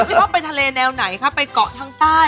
ชอบไปทะเลแนวไหนคะไปเกาะทางใต้